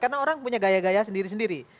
karena orang punya gaya gaya sendiri sendiri